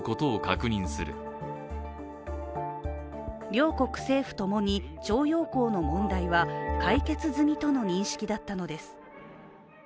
両国政府ともに徴用工の問題は解決済みとの認識だったのです。